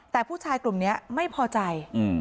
แต่ผู้ชายกลุ่มนี้ไม่พอใจ